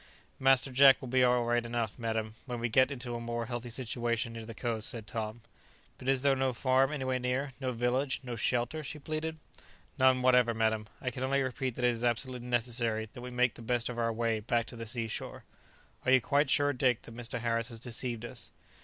"Master Jack will be all right enough, madam, when we get into a more healthy situation near the coast," said Tom. "But is there no farm anywhere near? no village? no shelter?" she pleaded. "None whatever, madam; I can only repeat that it is absolutely necessary that we make the best of our way back to the sea shore." "Are you quite sure, Dick, that Mr. Harris has deceived us?"